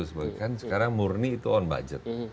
kan sekarang murni itu on budget